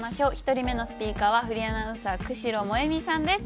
１人目のスピーカーはフリーアナウンサー久代萌美さんです。